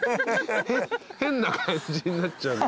変な感じになっちゃうんだよ。